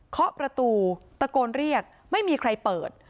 เคาะประตูตะโกนเรียกไม่มีใครเปิด